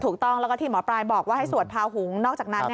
ถูกต้องแล้วก็ที่หมอปลายบอกว่าให้สวดพาหุงนอกจากนั้น